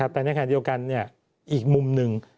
แต่ในขณะเดียวกันอีกมุมหนึ่ง